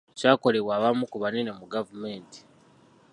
Kyakolebwa abamu ku banene mu gavumenti.